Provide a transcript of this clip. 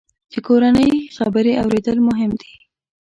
د کورنۍ خبرې اورېدل مهم دي.